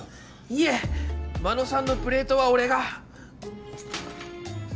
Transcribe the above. いえ真野さんのプレートは俺が！